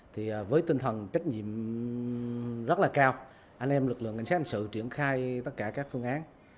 thì với tinh thần trách nhiệm rất là cao anh em lực lượng cảnh sát hành sự triển khai tất cả các phương án